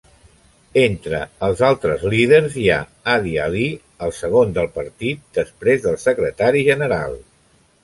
Entre els altres líders hi ha Hadi Ali, el segon del partit després del secretari general.